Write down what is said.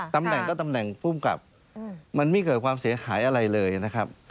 ตำแหน่งก็ตำแหน่งภูมิกับมันไม่เกิดความเสียหายอะไรเลยนะครับ